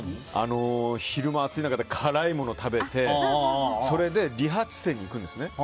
昼間、暑い中で辛い物を食べてそれで、理髪店に行くんですね。